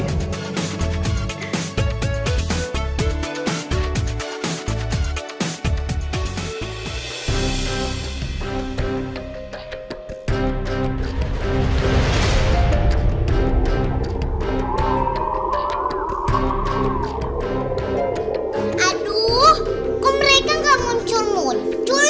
semoga kita bisa ketemu lagi